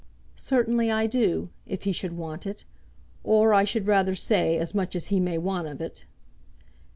"Certainly I do; if he should want it; or, I should rather say, as much as he may want of it."